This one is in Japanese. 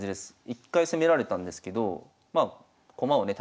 一回攻められたんですけど駒をね